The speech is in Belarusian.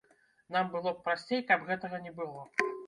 Нам было б прасцей, каб гэтага не было.